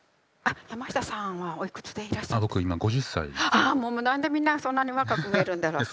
ああもう何でみんなそんなに若く見えるんだろうすごい。